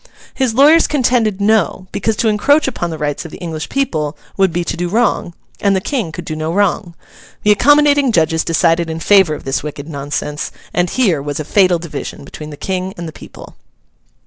His lawyers contended No, because to encroach upon the rights of the English people would be to do wrong, and the King could do no wrong. The accommodating judges decided in favour of this wicked nonsense; and here was a fatal division between the King and the people.